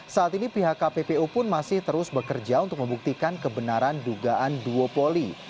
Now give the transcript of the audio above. saat ini pihak kppu pun masih terus bekerja untuk membuktikan kebenaran dugaan duopoli